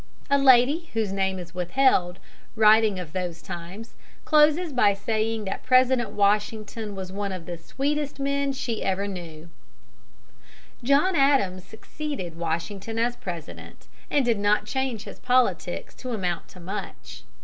A lady, whose name is withheld, writing of those times, closes by saying that President Washington was one of the sweetest men she ever knew. [Illustration: OIL THE GEARING OF THE SOLAR SYSTEM.] John Adams succeeded Washington as President, and did not change his politics to amount to much.